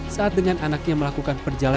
saat dengan anaknya melakukan perjalanan